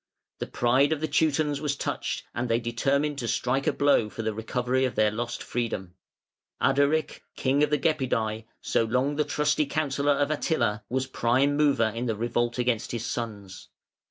The pride of the Teutons was touched, and they determined to strike a blow for the recovery of their lost freedom. Ardaric, king of the Gepidæ, so long the trusty counsellor of Attila, was prime mover in the revolt against his sons.